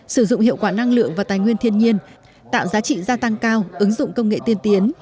sử dụng hiệu quả năng lượng và tài nguyên thiên nhiên tạo giá trị gia tăng cao ứng dụng công nghệ tiên tiến